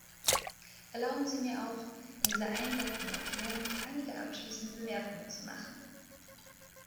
Erlauben Sie mir auch, in dieser einleitenden Erklärung einige abschließende Bemerkungen zu machen.